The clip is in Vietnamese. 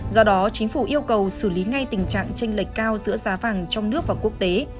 do đó chính phủ yêu cầu xử lý ngay tình trạng tranh lệch cao giữa giá vàng trong nước và quốc tế